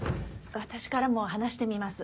私からも話してみます。